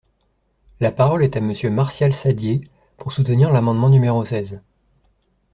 La parole est à Monsieur Martial Saddier, pour soutenir l’amendement numéro seize.